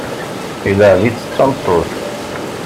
Ilɛeb-itt d tameṭṭut.